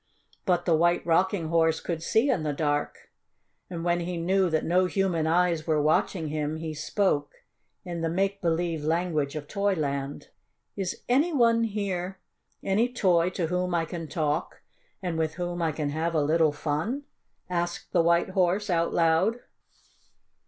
But the White Rocking Horse could see in the dark. And when he knew that no human eyes were watching him he spoke, in the make believe language of toy land. "Is any one here any toy to whom I can talk, and with whom I can have a little fun?" asked the White Horse out loud.